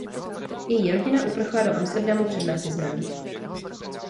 Její rodina uprchla do Amsterdamu před nacismem.